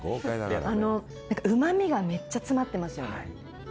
うま味がめっちゃ詰まってますよね。